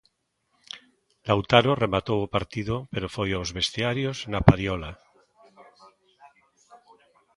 Lautaro rematou o partido pero foi aos vestiarios na padiola.